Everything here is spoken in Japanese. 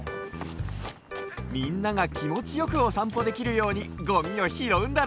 みんながきもちよくおさんぽできるようにゴミをひろうんだね！